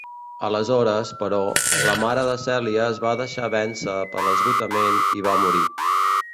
Aleshores, però, la mare de Cèlia es va deixar vèncer per l'esgotament i va morir.